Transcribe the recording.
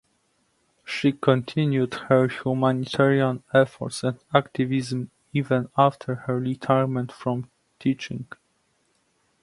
She continued her humanitarian efforts and activism even after her retirement from teaching.